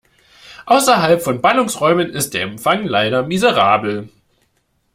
Außerhalb von Ballungsräumen ist der Empfang leider miserabel.